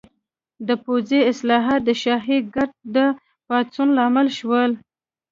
د پوځي اصلاحات د شاهي ګارډ د پاڅون لامل شول.